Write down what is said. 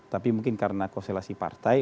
tapi mungkin karena konstelasi partai